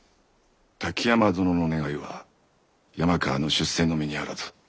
滝山殿の願いは山川の出世のみにあらず。